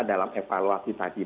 dalam evaluasi tadi